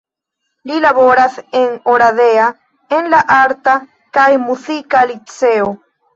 Li laboras en Oradea en la Arta kaj Muzika Liceo.